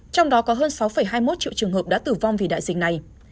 trong đó có hơn sáu hai mươi một triệu trường hợp đã tử vong vì đại dịch này